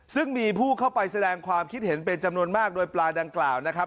ซึ่งมีผู้เข้าไปแสดงความคิดเห็นเป็นจำนวนมากโดยปลาดังกล่าวนะครับ